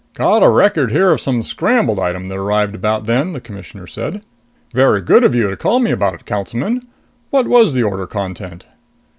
"Got a record here of some scrambled item that arrived about then," the Commissioner said. "Very good of you to call me about it, Councilman. What was the order content?"